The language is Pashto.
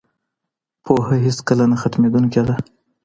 پوهه هیڅکله نه ختميدونکي ده.